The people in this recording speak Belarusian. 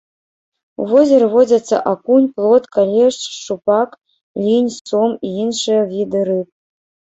У возеры водзяцца акунь, плотка, лешч, шчупак, лінь, сом і іншыя віды рыб.